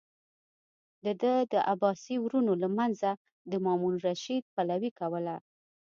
ده د عباسي ورونو له منځه د مامون الرشید پلوي کوله.